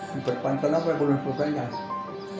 di perpanjangan apa belum di perpanjangan